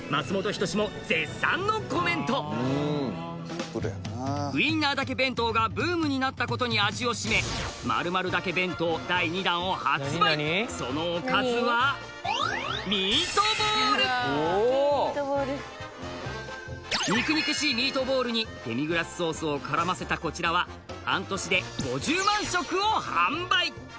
人志も絶賛のコメントウインナーだけ弁当がブームになったことに味をしめ○○だけ弁当そのおかずは肉肉しいミートボールにデミグラスソースを絡ませたこちらは半年で５０万食を販売！